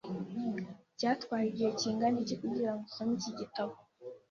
Byatwaye igihe kingana iki kugirango usome iki gitabo?